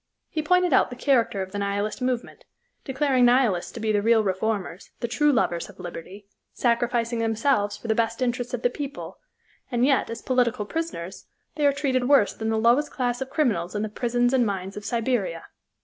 He pointed out the character of the Nihilist movement, declaring Nihilists to be the real reformers, the true lovers of liberty, sacrificing themselves for the best interests of the people, and yet, as political prisoners, they are treated worse than the lowest class of criminals in the prisons and mines of Siberia.